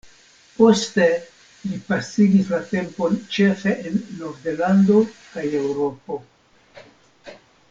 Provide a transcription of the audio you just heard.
Poste li pasigis la tempon ĉefe en Nov-Zelando kaj Eŭropo.